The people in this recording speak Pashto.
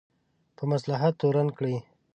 په مصلحت تورن کړي.